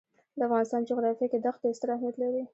د افغانستان جغرافیه کې دښتې ستر اهمیت لري.